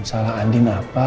salah andi apa